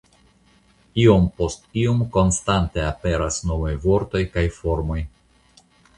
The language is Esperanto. Iom post iom konstante aperas novaj vortoj kaj formoj.